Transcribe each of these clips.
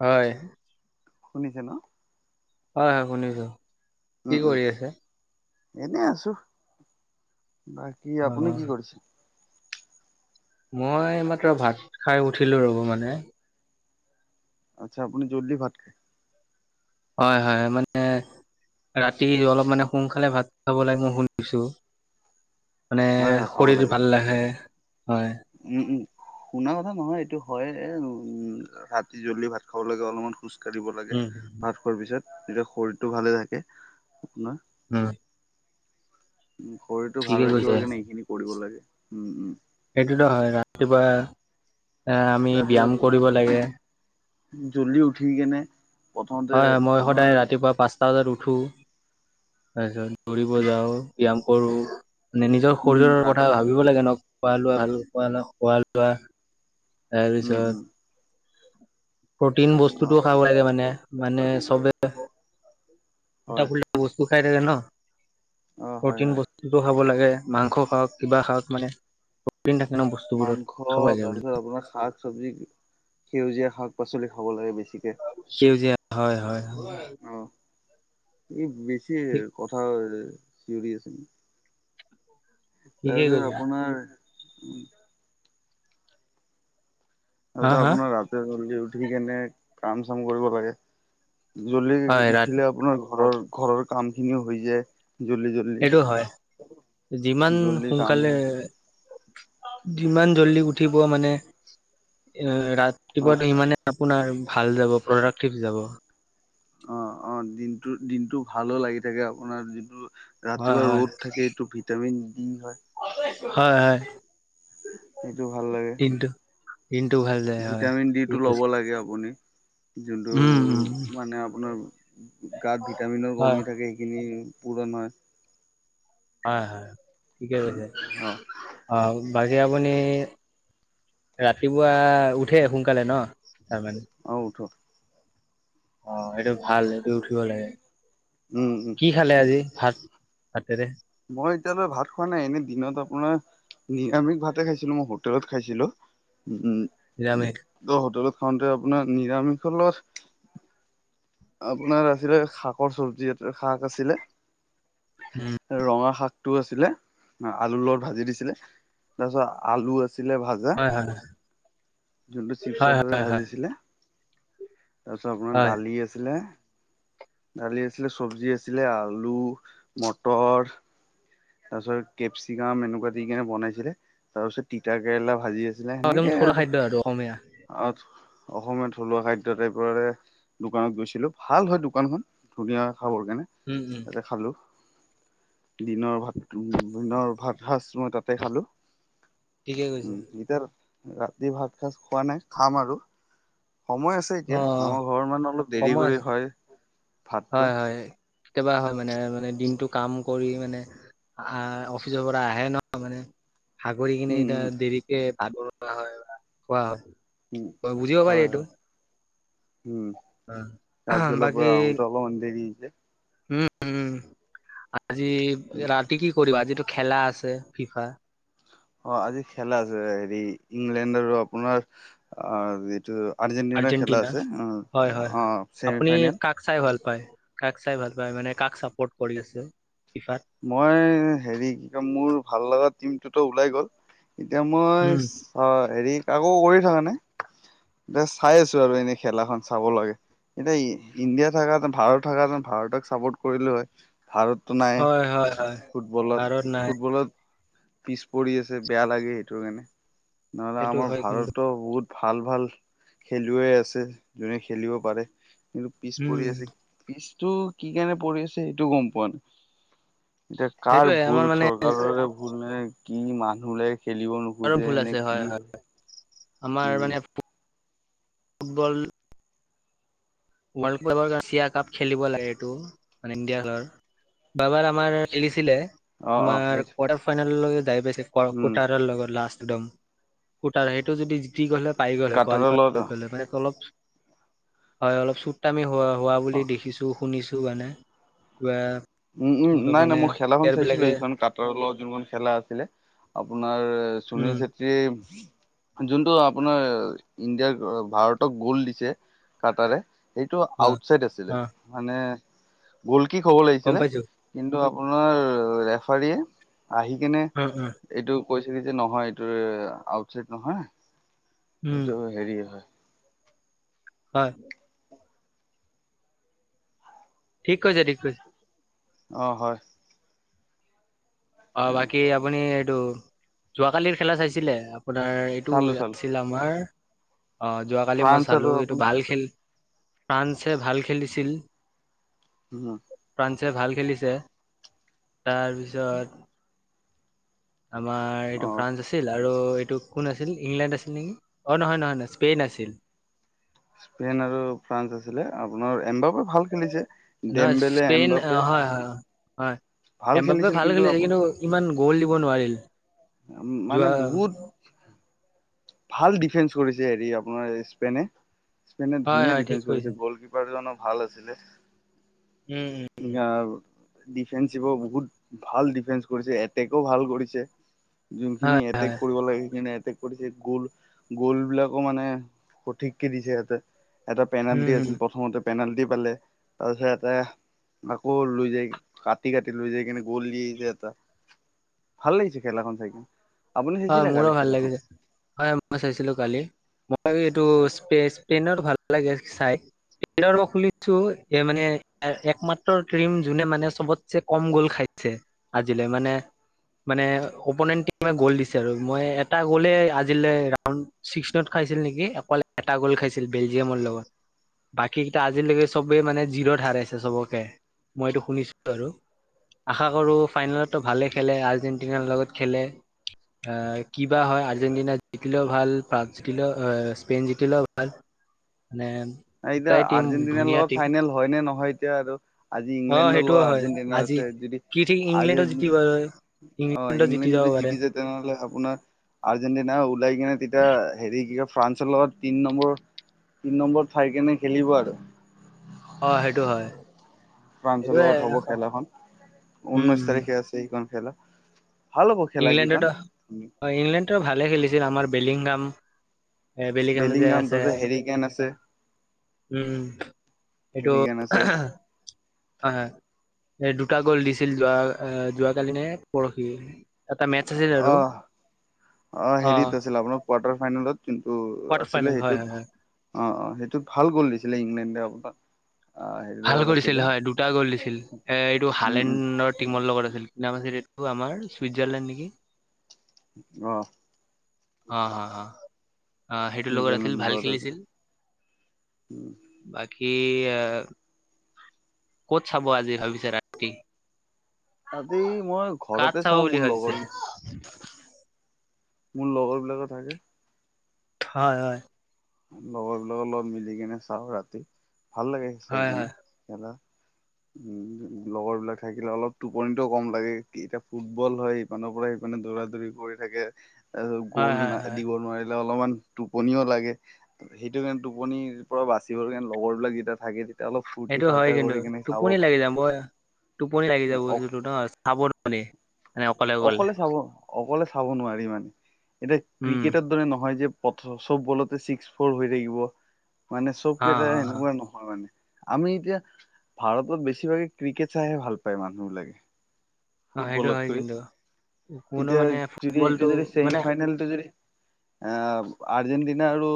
হয়। শুনিছে ন? হয় হয়, শুনিছো। কি উম উম, কৰি আছে? এনেই আছো। বাকী আপুনি কি অ', কৰিছে? মই এইমাত্ৰ ভাত খাই উঠিলো ৰ'ব মানে। আৎচ্ছা আপুনি জল্দি ভাত খায়। হয় হয়, মানে- ৰাতি অলপ মানে সোনকালে ভাত খাব লাগে মই শুনিছোঁ। মানে হয়, হয়, খাব শৰীৰ লাগে। ভাললে আহে হয়। উম উম, শুনা কথা নহয় এইটো হয়ে, উম ৰাতি জল্দি ভাত খাব লাগে অলমান- খোজ কঢ়িব লাগে উম, ভাত খোৱাৰ পিছত যেতিয়া শৰীৰটো ভালে থাকে আপোনাৰ উম উ শৰীৰটো ঠিকে ভাল কৈছে। ৰাখিবৰ কাৰণে এইখিনি কৰিব লাগে উম উম সেইটোতো হয় ৰাতিপুৱা এ আমি ব্যয়াম কৰিব লাগে জলি উঠিকেনে হয় হয় মই সদায় ৰাতিপুৱা পাঁচটা বজাত উঠো তাৰপিছত দৌৰিব ভিত যাওঁ ব্যায়াম কৰো নি-নিজৰ উম, শৰীৰৰ ৰাত কথা [unintelligible] পুহিব লাগে ন খোৱা লোৱা [unintelligible] [unintelligible] খোৱা লোৱা উম, উম, তাৰপিছত প্ৰটিন অ', বস্তুতটোও খাব লাগে মানে মানে চবে হয়। [unintelligible] বস্তু খাই থাকে ন অ', হয়, প্ৰটিন হয়। [unintelligible] [unintelligible] খাব লাগে মাংস খাওক কিবা খাওক মানে [inaudible] মাংস খাব লাগে বুলি তাৰপিছত আপোনাৰ শাক চবজি সেউজীয়া শাক পাচলি খাব লাগে বেছি [unintelligible] সেউজীয়া হয় হয় হয় আহ এই বেছি ঠিক কথা চিঞৰি আছে ঠিকেই তাৰপিছত কৈছা আপোনাৰ হা [unintelligible] হা আপোনাৰ [unintelligible] জল্দি উঠি কেনে কাম চাম কৰিব লাগে জল্দি হয় ৰাত উঠিলে আপোনাৰ ঘৰৰ ঘৰৰ কাম খিনিও হৈ যায় [unintelligible] সেইটো হয় যিমান জল্দি কাম সোনকালে হয় যিমান জল্দি উঠিব মানে এ ৰাতিপুৱা অ'। সিমানে আপোনাৰ ভাল যাব প্ৰডাক্টিভ যাব অ অ দিনটো দিনটো ভালো লাগি থাকে আপোনাৰ যিটো হয় ৰাতিপুৱ হয় ৰ'দ থাকে এইটো ভিটামিন ডি হয় হয় হয় সেইটো ভাল লাগে [inaudible] [inaudible] ভাল যায় হয় ভিটামিন ডিটো ল'ব লাগে আপুনি যোনটো উম উম মানে আপোনাৰ গাত ভিটামিনৰ হয় কমি থাকে সেইখিনি পূৰণ হয় হয় হয় ঠিকে অ [unintelligible] অ বাকী আপুনি ৰাতিপুৱা উঠে সোনকালে ন তাৰমানে অঁ উঠো অ এইটো ভাল এইটো উঠিব লাগে উম উম [unintelligible] খালে আজি ভাত হাতেৰে মই এতিয়ালৈ ভাত খোৱা নাই এনে দিনত আপোনাৰ নিৰামিষ ভাতে খাইছিলো মই হোটেলত খাইছিলো নিৰামিষ উম [unintelligible] হোটেলত খাওঁতে আপোনাৰ নিৰামিষ [unintelligible] আপোনাৰ আছিলে শাকৰ চব্জি [unintelligible] শাক আছিলে উম ৰঙা শাক টো আছিলে আলুৰ লগত ভাজি দিছিলে তাৰপিছত আলু আছিলে [unintelligible] হয় হয় [unintelligible] যোনটো হয় চিপছৰ দৰে হয় হয় ভাজিছিলে তাৰপিছত আপোনাৰ হয় দালি আছিলে দালি আছিলে চব্জি আছিলে আলু মটৰ তাৰ পিছত কেপচিকাম এনেকুৱা দি কিনে বনাইছিলে তাৰ পিছত তিতা কেৰেলা ভাজি আ [unintelligible] দিলে অ একদম সেনেকেই থলুৱা আৰু খাদ্য অসমীয়া অসমীয়া থলুৱা খাদ্য টাইপৰে - দোকানত গৈছিলো ভাল হয় দোকানখন ধুনীয়া খাবৰ কাৰণে উম উম - তাতে খালো দিনৰ ভাত - উম দিনৰ ভাত সাজ মই তাতে খালো, ঠিকে কৈছে উম এতিয়া - ৰাতি ভাত সাজ খোৱা নাই খাম আৰু সময় আছে - আছে অ এতিয়া, আমাৰ ঘৰৰ মানুহ অলপ দেৰি সময় কৰি আছে হয় - হয় হয় কেতিয়াবা হয় মানে মানে দিনটো কাম কৰি মানে - আহ অফিচৰ পৰা আহে ন মানে - ভাগৰি কিনে উম এতিয়া উম দেৰিকে ভাত বনোৱা হয় বা খোৱা হয় - উম অ বুজিব পাৰি হয় এইটো হয় - উম কাৰ্যালয়ৰ বাকী পৰা আহোতে অলমান দেৰি হৈছে - উম উম আজি ৰাতি কি কৰিবা? আজিটো খেলা আছে ফিফা - অ আজি খেলা আছে হেৰি ইংলেণ্ড আৰু আপোনাৰ অ যিটো - আৰ্জেণ্টিনাৰ খেলা আৰ্জেণ্টিনা আছে হয় অহ হয় হয় অ ছেমি আপুনি ফাইনেল। কাক চাই ভাল পায় কাক চাই ভাল পায় মানে কাক চাপৰ্ট কৰি আছে ফিফাত? মই হেৰি কি কয় মোৰ ভাল লগা টিমটোতো ওলাই গল, এতিয়া মই উম - অ হেৰি আকৌ কৰি থকা নাই, জাচ্ চাই আছো আৰু এনে খেলাখন চাব লাগে। এতিয়া ইণ্ডিয়া থাকা হেতেন ভাৰত থাকা হেতেন ভাৰতক চাপৰ্ট কৰিলে হয় ভাৰতটো নাই। হয় হয়। ফুটবলত, ভাৰত নাই ফুটবলত - পিছ পৰি আছে বেয়া লাগে সেইটো কাৰণে নহ'লে সেইটো আমাৰ হয় কিন্তু ভাৰতো বহুত - ভাল ভাল খেলুৱৈ আছে যোনে খেলিব পাৰে কিন্তু পিছ উম পৰি আছে - পিছটো কি কাৰণে পৰি আছে সেইটো গম পোৱা নাই। এতিয়া কাৰ সেইটোয়ে আমাৰ ভুল মানে চৰকাৰৰে - ভুল নে কি মানুহ লাগ খেলিব আৰু নোখোজে ভুল নে আছে হয় কি? হয় আমাৰ উম মানে ফুটবল - ৱৰ্ল্ড কাপৰ বা এছিয়া কাপ খেলিব লাগে এইটো মানে ইণ্ডিয়া লৰ- যোৱা বাৰ আমাৰ খেলিছিলে অ - অ আমাৰ সেই কোৱাৰাৰ্টাৰ ফাইনাললৈকে যাই পাইছে লগ উম কাৰ্টাৰ লগত লাষ্ট একদম। কুটাৰ সেইটো যদি জিতি গ'লে হয় পাই গ'লে কাটাৰৰ কোৱালিফাই লগত হৈ গলে, মানে অলপ - হয় অলপ চুট তামি হোৱা অ বুলি দেখিছো। শুনিছো মানে, বা উম উম নাই নাই মই খেলাখন চাইছিলো সেইখন কাট - কাটৰ লগত যোনখন খেলা আছিলে আপোনাৰ উম সুনীল চেত্ৰীয়ে- যোনটো আপোনাৰ ইণ্ডিয়াৰ ভাৰতক গোল দিছে কাৰ্টৰে - সেইটো অ আউটচাইড আছিলে অ মানে গোল কিক হ'ব গম লাগিছিলে পাইছো - কিন্তু আপোনাৰ ৰেফাৰীয়ে আহি কিনে উম উম - এইটো কৈছে কি যে নহয় এইটো আউটচাইড নহয় উম এইটো হেৰি হয়। হয়। ঠিক কৈছে ঠিক কৈছে। অ হয়। অ বাকী আপুনি এইটো যোৱা কালিৰ খেলা চাইছিলে, আপোনাৰ - টো চালো চালো আছিল আমাৰ অ যোৱাকালি ফ্ৰান্স মই আৰু চালো এইটো আপোনাৰ ভাল খেল - ফ্ৰান্সে ভাল খেলিছিল - উম। ফ্ৰান্সে ভাল খেলিছে তাৰপিছত আমাৰ এইটো অ ফ্ৰান্স আছিল আৰু এইটো কোন আছিল ইংলেণ্ড আছিল নেকি অ নহয় নহয় নহয় স্পেইন আছিল। স্পেইন আৰু ফ্ৰান্স আছিলে আপোনাৰ এম্বাবাও নহয় স্পেইন অ হয় হয় হয় ভাল এম বাপে খেলিছিল ভাল খেলিছে আপ কিন্তু ইমান গোল দিব নোৱাৰিল। মানে যোৱা বহুত ভাল ডিফেন্স কৰিছে হেৰি আপোনাৰ স্পেইনে স্পেইনে হয় ধুনীয়া হয় ঠিক ডিফেন্স কৈছে কৰিছে গোল। কিপাৰজনো ভাল আছিলে। উম উম গা আৰু ডিফেন্সিভৰ বহুত ভাল ডিফেন্স কৰিছে এটেকো ভাল কৰিছে। যোনখিনি হয় এটেক হয় কৰিব লাগে সেইখিনি এটেক কৰিছে। গোল গোল বিলাকো মানে সঠিককে দিছে সিহঁতে এটা উম পেনাল্টি হম আছিল প্ৰথমতে পেনাল্টি পালে তাৰপিছত এটা আকৌ লৈ যায় কাটি কাটি লৈ যাই কিনে গোল দিয়ে যে এটা ভাল লাগিছে খেলাখন চাইকিনে হয় মোৰো ভাল লাগিছে হয় মই চাইছিলো কালি। মই এইটো স্পে স্পেইনৰ ভাল লাগে চাই। [unintelligible] খুলিছো এ মানে একমাত্ৰ ট্ৰিম যোনে মানে চবত ছে কম গোল খাইছে আজিলৈ মানে মানে অপনেণ্ট টিমে গোল দিছে ছে আৰু মই এটা গোলে আজিলে ৰাউণ্ড ছিক্সিনত খাইছিল নেকি অকল এটা গোল খাইছিল বেলজিয়ামৰ লগত। বাকীকেইটা আজিলৈকে চবেই মানে জিৰত হাৰাইছে চবকে মই ইটো শুনিছো আৰু। আশা কৰোঁ ফাইনেলতো ভালেই খেলে আৰ্জেণ্টিনাৰ লগত খেলে আহ কিবা হয় আৰ্জেণ্টিনা জিকিলেও ভাল ফ্ৰান্স জিকিলও অ স্পেইন জিকিলেও ভাল মানে এ এতিয়া দুটাই টিম আৰ্জেণ্টিনাৰ ধুনীয়া লগত টিম ফাইনেল হয় নে নহয় এতিয়া আৰু আজি অ ইংলেণ্ডৰ সেইটোও লগত হয় আৰ্জেণ্টিনাৰ আজি আছে যদি কি ঠিক আজি ইংলেণ্ডো জিকি গ'ল অ ইংলেণ্ডো জিকি ইংলেণ্ড যাব যদি পাৰে। যায় তেনেহ'লে আপোনাৰ আৰ্জেণ্টিনা উওলাই কিনে তেতিয়া হেৰি কি কয় ফ্ৰান্সৰ লগত তিন নম্বৰ তিন নম্বৰ উঠাই কেনে খেলিব আৰু। অ সেইটো হয়। ফ্ৰান্সৰ সেইটোয়ে লগত হ'ব খেল এখন ঊনৈশ উম তাৰিখে আছে সেইখন খেলা। ভাল হ'ব খেলা কেইখন ইংলেণ্ডতো অ ইংলেণ্ডতো ভালে খেলিছিল আমাৰ বেলিংহাম এ বেলিগামাজে বেলিংগাম আছে তাৰপিছত হেৰিকেন আছে উম এইটো হেৰিকেন আছে হয় হয় এ দুটা গোল দিছিল যোৱা আ যোৱাকালি নে পৰহি এটা মেটচ আছে অ অ হেৰিত আছিল আপোনাৰ কোৱাৰ্টাৰ ফাইনেলত যোনটো কোৱাৰ্টাৰ আছিলে ফাইনেল হয় হয় সেইটোত হয় আহ সেইটোত ভাল গোল দিছিলে ইংলেণ্ডে [unintelligible] হেৰি ভাল লগত আছিলে কৰিছিল হয় দুটা গোল দিছিল এ এইটো উম উম হালেণ্ডত টিমলৰ লগত আছিল কি নাম আছিল এইটো আমাৰ ছুইজাৰলেণ্ড নেকি অহ অ অ অ সেইটো লগত আছিল চুইজাৰলেণ্ডৰ ভাল লগত আছিলে খেলিছিল। উম বাকী আহ ক'ত চাব আজি ভাবিছে ৰাতি আজি মই ঘৰতে চাওঁ মোৰ লগৰ বি উ মোৰ লগৰ বিলাকে থাকে। হয়, হয়। লগৰবিলাকৰ লগত মিলি কেনে চাওঁ ৰাতি। ভাল লাগে চাই হয় কিনে হয় খেলা। উম, লগৰ বিলাক থাকিলে অলপ টোপনিটো কম লাগে। কি এতিয়া ফুটবল হয় মানুহবোৰে আহিকিনে দৌৰা দৌৰি কৰি থাকে। তাৰপিছত হয় গোল হয় হয় না--দিব নোৱাৰিলে অলপমান টোপনিও লাগে। সেইটো কাৰণে টোপনিৰ পৰা বাচিবৰ কাৰণে লগৰ বিলাক যেতিয়া থাকে যে সেইটো হয় কিন্তু টোপনি লাগি যাম মই টোপনি লাগি যাব অস যিটো নহয় চাব নোৱাৰি। অকলে চাব অকলে চাব নোৱাৰি মানে এতিয়া উম ক্ৰিকেটৰ দৰে নহয় যে পথ চব বলতে ছিক্স ফ'ৰ হৈ থাকিব মানে অ চবকেইটা অ সেনেকুৱা নহ হয় মানে। আমি এতিয়া ভাৰতত বেছিভাগে ক্ৰিকেট চাইহে ভাল পায় মানুহ বিলাকে। অ অ সেইটো হয় ফুটবলতকৈ কিন্তু কোনো এতিয়া মানে যদি এইটো ফুটবলটো যদি ছেমি মানে ফাইনেলটো যদি আঁ আৰ্জেন্টিনা আৰু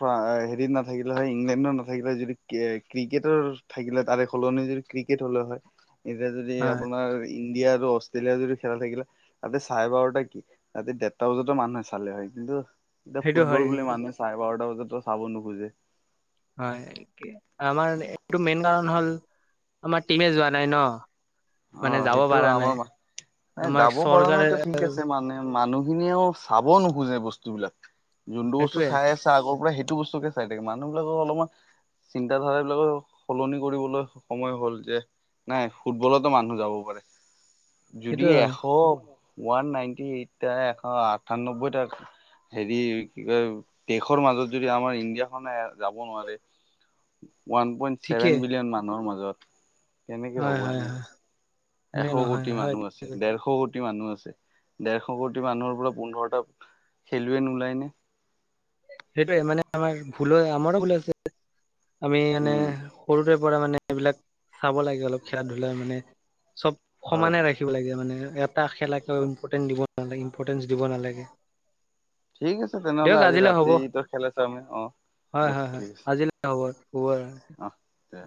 ফ্ৰা--হেৰিত নাথাকিলে হয়, ইংলেণ্ডৰ নাথাকিলে যদি ক্ৰি--ক্ৰিকেটৰ থাকিলে তাৰে সলনি যদি ক্ৰিকেট হ'লে হয়। এতিয়া যদি হয় আপোনাৰ ইণ্ডিয়া আৰু অষ্ট্ৰেলিয়া যদি খেলা থাকিলে তাতে চাৰে বাৰটা কি, ৰাতি ডেৰটা বজাটো মানুহে চালে হয়। কিন্তু এতিয়া সেইটো হয় ফুটবল বুলি কিন্তু মানুহে চাৰে বাৰটা বজাটো চাব নোখোজে। হয়, আমাৰ এইটো মেইন কাৰণ হ'ল আমাৰ টিমে যোৱা নাই ন'? মানে অঁ, যাব সেইটো পৰা নাই আমাৰ মা আমাৰ যাব পৰা চৰকাৰে নাইটো ঠিক আছে মানে মানুহখিনিয়েও চাব নোখোজে বস্তু বিলাক। যোনটো বস্তু সেইটোয়ে চাই আছে আছে আগৰ পৰা সেইটো বস্তুকে চাই থাকে। মানুহ বিলাকৰ অলপমান চিন্ত ধাৰাবিলাকো সলনি কৰিবলৈ সময় হ'ল যে নাই ফুটবলত টো মানুহ যাব পাৰে। সেইটো যদি হয়, এশ ওৱান নাইনটি এইট টাই, এশ আঠান্নব্বৈ তাক হেৰি কি কয়? দেশৰ মাজত যদি আমাৰ ইণ্ডিয়াখনে যাব নোৱাৰে ওৱান পইণ্ট ছেভেন ঠিকেই বিলিয়ন মানুহৰ মাজত কেনেকে হয় হ'ব হয় এনেকা হয় নে এশ নহয় কোটি হয় মানুহ আছে, ডেৰশ কোটি মানুহ আছে। ডেৰশ কোটি মানুহৰ পৰা পোন্ধৰটা খেলুৱৈ নোলায় নে'?। সেইটেৱে মানে, আমাৰ ভুল হয়, আমাৰো ভুল আছে। আমি মানে উম সৰুৰে পৰা মানে, এইবিলাক চাব লাগে অলপ খেলা-ধূলা মানে চব হয় সমানে হয় ৰাখিব লাগে মানে, এটা খেলাকে হয় ইম্পৰ্টেণ্ট দিব নালাগে, ইম্পৰ্টেণ্টচ দিব নালাগে। ঠিক আছে তেনেহ'লে দিয়ক আজি আজিলৈ হ'ব ৰাতি ত' খেলা চামে। অঁ, হয় দিয়ক হয় হয় ঠিক আছে। আজিলৈ হ'ব থোৱা। অঁহ্ দে।